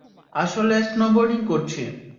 আসলে, স্নোবোর্ডিং করছি।